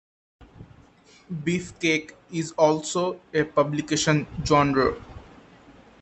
Beefcake is also a publication genre.